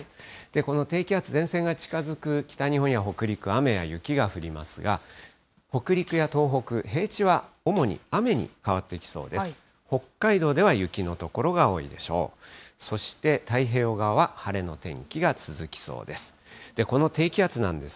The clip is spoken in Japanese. この低気圧、前線が近づく北日本や北陸、雨や雪が降りますが、北陸や東北、平地は主に雨に変わっていきそうです。